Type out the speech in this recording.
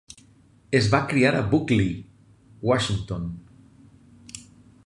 Es va criar a Buckley, Washington.